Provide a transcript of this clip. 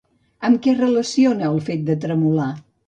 Amb què relaciona el fet de tremolar?